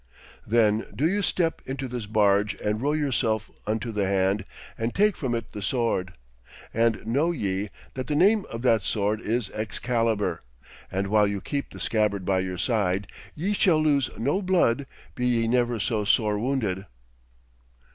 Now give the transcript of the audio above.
'Then do you step into this barge and row yourself unto the hand and take from it the sword. And know ye that the name of that sword is Excalibur, and while you keep the scabbard by your side, ye shall lose no blood, be ye never so sore wounded.'